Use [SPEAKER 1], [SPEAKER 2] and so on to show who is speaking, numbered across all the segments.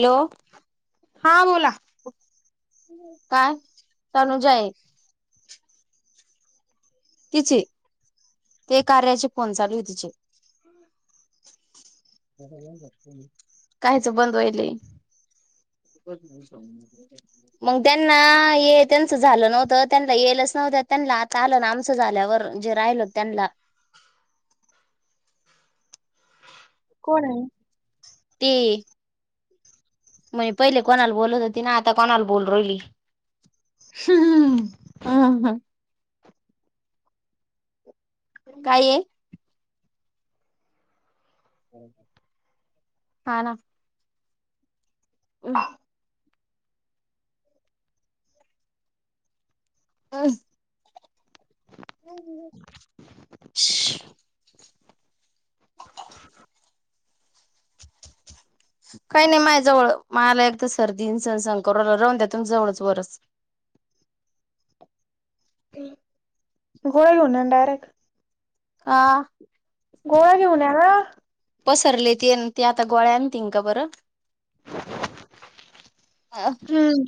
[SPEAKER 1] Hello.
[SPEAKER 2] हा बोला.
[SPEAKER 1] का? तनुजा आहे. तिचे ते कार्याचे फोन चालू तिचे. कायच बंद होईल ने. हो सांगितलंय त्या मग त्यांना हे त्यांच झालं नव्हतं त्यांना येलच नव्हतं त्यांना आता आलं ना आम क्स झाल्यावर जे राहिल होतं त्यांना.
[SPEAKER 2] कोण आहे?
[SPEAKER 1] ती. म्हणजे पहिले कोणाला बोलत होती ना आता कोणाला बोलू राहिली.
[SPEAKER 2] हम्म.
[SPEAKER 1] अ हं हं. काय आहे? हा ना. अ हं अज. [unintelligible] काही नाही माय जवळ, मला एक सर्दी संक रावंद्यातून जवळच वरच.
[SPEAKER 2] गोळा घेऊ ना डायरेक्ट.
[SPEAKER 1] आ.
[SPEAKER 2] गोळा घेऊ नव्हं.
[SPEAKER 1] पसरले ते ते आता गोळ्या आणतील का बरं?
[SPEAKER 2] हम्म.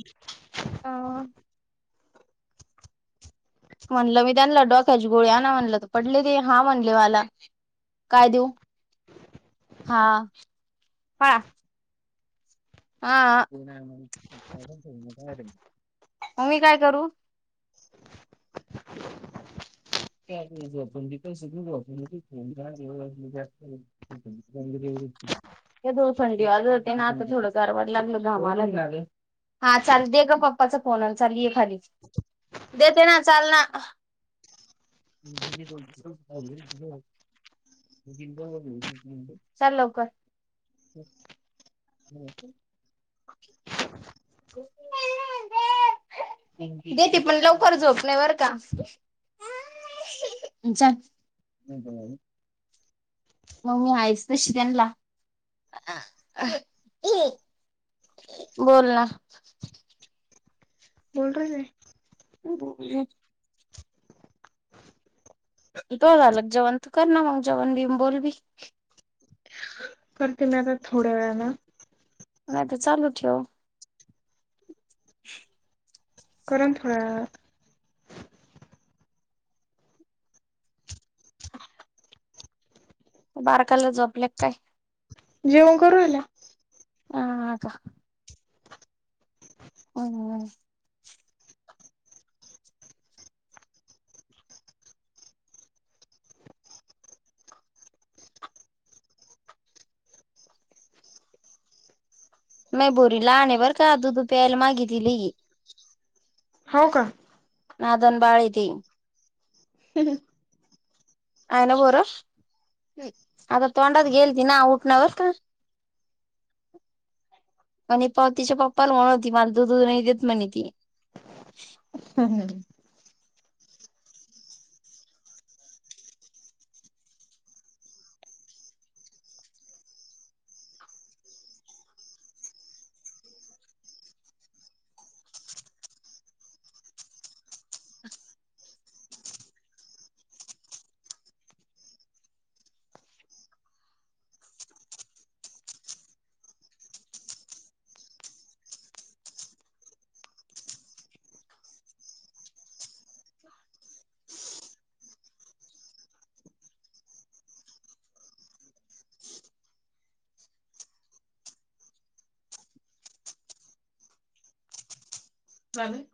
[SPEAKER 1] म्हणलं मी त्यांनी ल डोक्याची गोळी आणा म्हणलं तर पडले ते हा म्हणले मला काय देऊ? हा फळा. हा हा, मग मी काय करू? कायच आपण ते पैसे घेऊ आपण [unintelligible] [unintelligible] ते दो थंडी वाज होते ना आता थोडं कारारवाड लागल घामावाला लागलं. हा चाल दे ग पप्पाचा फोन आला चल ये खालीच देते ना चाल ना [unintelligible] चल लवकर. [inaudible] [unintelligible] [unintelligible] दे ती पण लवकर झोपण्यावर का चल. [unintelligible] मम्मी आहेच तशी त्यांला [unintelligible] बोला.
[SPEAKER 2] बोल रे.
[SPEAKER 1] हो. [unintelligible] तर झालं जेवण तू कर ना मग जेवण बीवन बोल बी.
[SPEAKER 2] करते ना मी आता थोड्या वेळान.
[SPEAKER 1] नाही तर चालू ठेव. [inaudible] [unintelligible]
[SPEAKER 2] करन थोड्या वेळात.
[SPEAKER 1] बारकाला झोपले काय?
[SPEAKER 2] जेवून करू ईल्या.
[SPEAKER 1] आ हा का? हम. [unintelligible] मय बोरी लहान आहे बर का दुधु प्यायला मागे दिली.
[SPEAKER 2] हो का?
[SPEAKER 1] हा दोन बाळ आहे ते. आयन बोर हम्म आता तोंडात गेलती ना उटण्यावरका. [unintelligible] आणि पातिच्या पप्पाला म्हणव होती मला दूध दुध नाही देत म्हणे ती [unintelligible]
[SPEAKER 2] हा हम. [unintelligible] का. [unintelligible]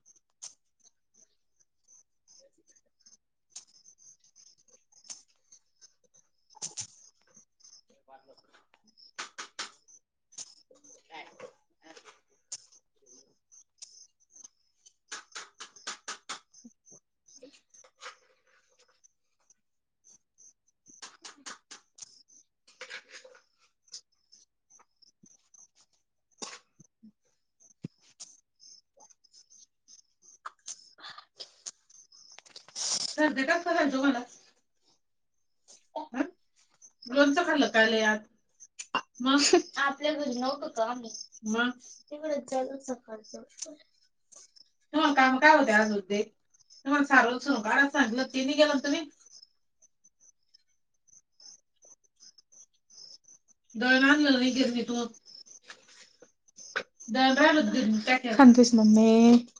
[SPEAKER 2] [unintelligible] ह [inaudible] [unintelligible] झालं कायले यात [unintelligible] मग? आपल्या घरी नव्हतं काम मग तिकडे जालो सकाळच. [unintelligible] तुम्हाला काम काय होते आज होते तुम्हाला सारव कार सांगलं तेनी गेलं तुम्ही दळणार गला नाही घेेत म तून [unintelligible] खांतस मग मी [unintelligible] [unintelligible]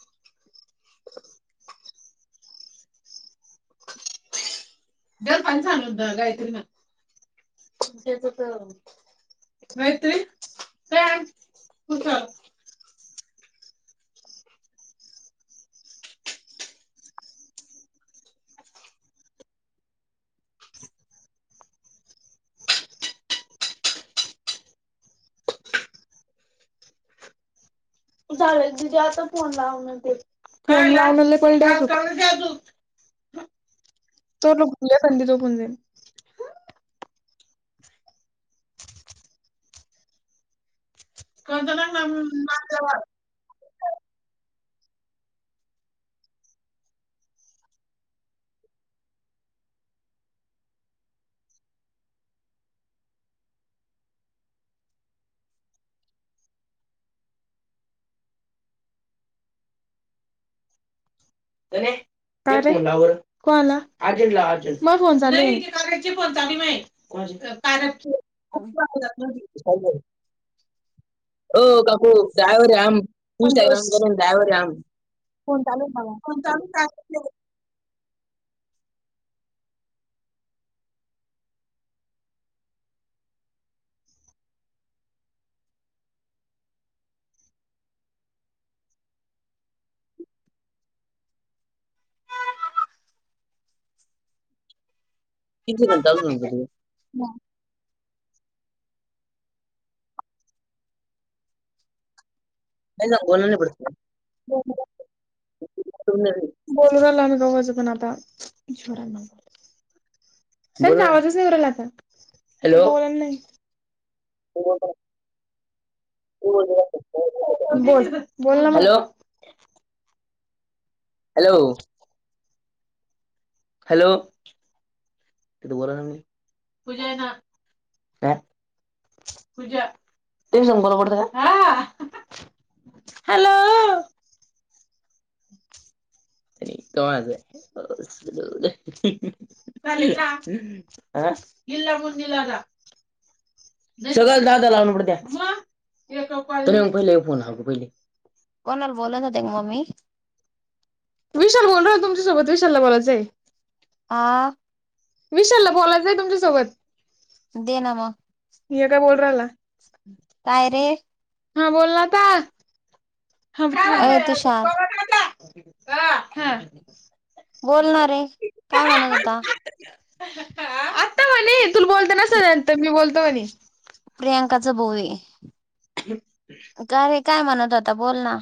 [SPEAKER 2] पण छान होतं गायत्री ना त्याच [unintelligible] गायत्री काय उचल [unintelligible]
[SPEAKER 1] [inaudible] [unintelligible]
[SPEAKER 2] [unintelligible] आत्ता फोन लावून ते फोन लावला [unintelligible] फोन दे कोणत्याही ना मग [unintelligible] [unintelligible] कोणाला मला फोन चालला [unintelligible] कॅरेट चे पंचाली मा कॅरेटचे [unintelligible] [inaudible] [unintelligible] ओ काकू ड्रायव्हर ये हम [unintelligible] औ [unintelligible] फोन चालू आहे. तिची घंटा [unintelligible] नाही ना बोलवले पण [unintelligible] बोलला आम्ही गच पण आता जोरांना बोल. [unintelligible] नाही नाही [unintelligible] च नाही कराला आता. हो [unintelligible] बोल बोल ना मग हॅलो. [unintelligible] हॅलो! हॅलो! तिथ [unintelligible] पूजा ते शंभर पडत का हॅलो! [unintelligible] खाली चहा इला मुंदलाग [unintelligible] सगळ दादा लावून पड त्या्या त पहिले फोन ह पहिले [unintelligible]
[SPEAKER 1] कोणाला बोलवते का मम्मी?
[SPEAKER 2] विशाल बोलत होत तुमच्यासोबत विशालला बोलायचं.
[SPEAKER 1] आ?
[SPEAKER 2] विशालला बोलायचं आहे तुमच्यासोबत.
[SPEAKER 1] दे ना मग.
[SPEAKER 2] हे काय बोलु राहिला?
[SPEAKER 1] काय रे?
[SPEAKER 2] हा बोल ना आता
[SPEAKER 1] अ तुषार
[SPEAKER 2] हम [unintelligible]
[SPEAKER 1] बोलणारे काय म्हणत होता?
[SPEAKER 2] आत्ता म्हणे तुला बोलते ना स [unintelligible] मी बोलतो म्हणे.
[SPEAKER 1] प्रियांकाचा भाऊये.
[SPEAKER 2] [inaudible]
[SPEAKER 1] का रे काय म्हणत होता बोल ना.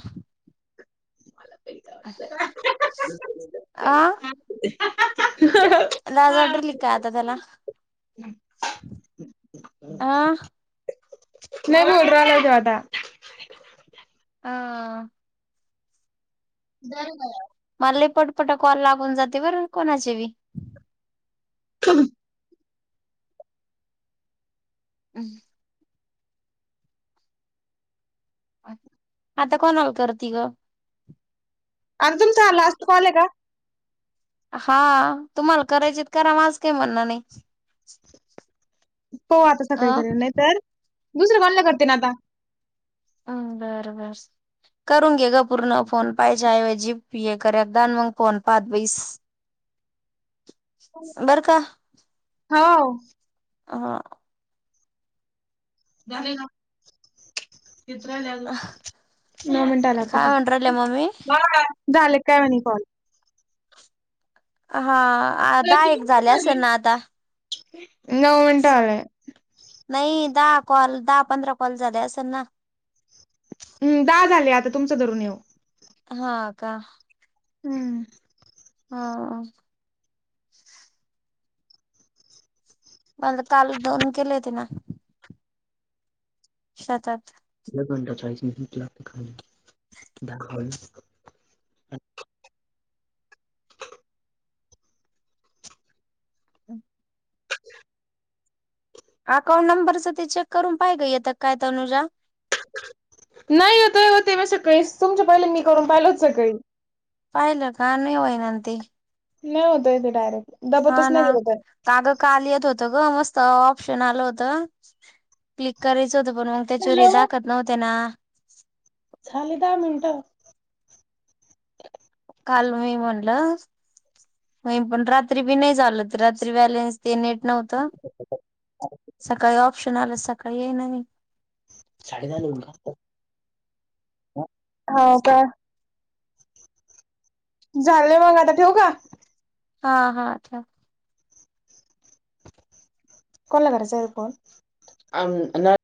[SPEAKER 1] आ?
[SPEAKER 2] [unintelligible]
[SPEAKER 1] लाज वाटाली का आता त्याला? हा
[SPEAKER 2] नाही बोल [unintelligible] आता.
[SPEAKER 1] अं?
[SPEAKER 2] [unintelligible]
[SPEAKER 1] मला लय पटपट कॉल लागून जाते बरं कोणाची बी.
[SPEAKER 2] ह [unintelligible]
[SPEAKER 1] हं [unintelligible] आता कोणाव कर ति गं?
[SPEAKER 2] अन तुमचा लास्त कॉल आहे का?
[SPEAKER 1] हा तुम्हाला करायचेत करा माझं काही म्हणण नाही.
[SPEAKER 2] हो आता सकाळी
[SPEAKER 1] अ
[SPEAKER 2] करेल नाही तर दुसरं भांडण करते आता.
[SPEAKER 1] अ बर बर. करून घे ग पूर्ण फोन पाहायच्याऐवजी पीऐ ये करद जा आणि मग फोन पाहत बिस
[SPEAKER 2] [inaudible]
[SPEAKER 1] बर का.
[SPEAKER 2] हौ.
[SPEAKER 1] हा.
[SPEAKER 2] झाले का [unintelligible] किती राहिले अजून नऊ मिनट
[SPEAKER 1] काय म्हणून राहिले मम्मी
[SPEAKER 2] [unintelligible] झालं काय म्हणे कॉल?
[SPEAKER 1] हा. दहा एक झाले असेल ना आता.
[SPEAKER 2] नऊ मिनटं झालंय.
[SPEAKER 1] नाही दहा कॉल, दहा पंधरा कॉल झाले असंल ना.
[SPEAKER 2] हम्म दहा झाले आता तुमचं धरून ह्यो.
[SPEAKER 1] हा का?
[SPEAKER 2] हम्म.
[SPEAKER 1] हा. झालं काल दोन केलेवते ना. सातात
[SPEAKER 2] [unintelligible]
[SPEAKER 1] [unintelligible] अकाउंट नंबरच ते चेक करून पाहि ग येत काय तनुजा.
[SPEAKER 2] नाही होतय ओ ते मी सकाळीच, तुमच्या पहिले मी करून पाहिलो सकाळी.
[SPEAKER 1] पाहिलं का? नाही होईना ना ते.
[SPEAKER 2] नाही होतंय ते डायरेक्ट.
[SPEAKER 1] हा
[SPEAKER 2] दबतच
[SPEAKER 1] ना.
[SPEAKER 2] नाही दिलं तर
[SPEAKER 1] का ग काल येत होतं ग, मस्त ऑप्शन आलं होतं. क्लिक करायचं होतं पण मग त्याच्यावर हे
[SPEAKER 2] हॅलो
[SPEAKER 1] दाखवत नव्हते ना.
[SPEAKER 2] झाले दहा मिनटं.
[SPEAKER 1] काल मी म्हणलं पण रात्री बी नाही झालं होत, रात्री बॅलेन्स ते नेट नव्हत. ते सकाळी ऑप्शन आलं सकाळी आहे ना मी.
[SPEAKER 2] हो का? झालंय मग आता, ठेवू का.
[SPEAKER 1] हा हा, ठेव.
[SPEAKER 2] कोणाकडचं आहे फोन?